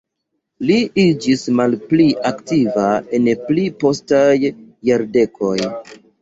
Li iĝis malpli aktiva en pli postaj jardekoj.